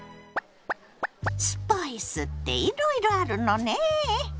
スパイスっていろいろあるのねえ。